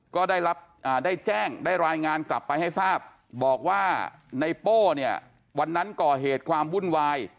ก็ได้แจ้งได้รายงานกลับไปให้ทราบบอกว่าในโป้เนี่ยวันนั้นก่อเหตุความวุ่นวาย